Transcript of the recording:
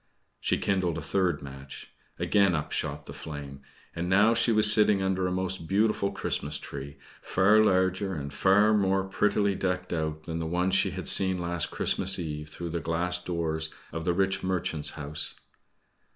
She kindled a third match. Again up shot the flame. And now she was sitting under a most beautiful Christmas tree, far larger, and far more prettily decked out, than the one she had seen last Christmas Eve through the glass doors of the rich merchant's house.